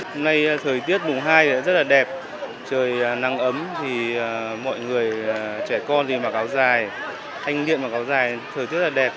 hôm nay thời tiết mùa hai rất là đẹp trời nắng ấm thì mọi người trẻ con thì mặc áo dài anh điện mặc áo dài thời tiết là đẹp